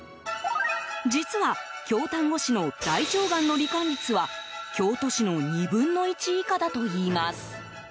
実は、京丹後市の大腸がんの罹患率は京都市の２分の１以下だといいます。